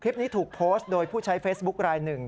คลิปนี้ถูกโพสต์โดยผู้ใช้เฟซบุ๊คลายหนึ่ง